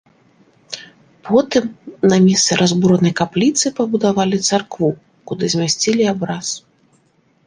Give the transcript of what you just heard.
Потым на месцы разбуранай капліцы пабудавалі царкву, куды змясцілі абраз.